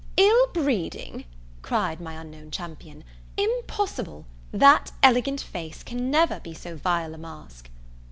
"Ill breeding!" cried my unknown champion, "impossible! that elegant face can never be so vile a mask!"